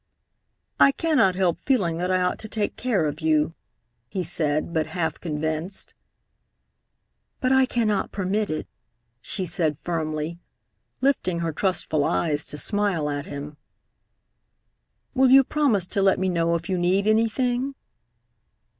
"I cannot help feeling that I ought to take care of you," he said, but half convinced. "But I cannot permit it," she said firmly, lifting her trustful eyes to smile at him. "Will you promise to let me know if you need anything?"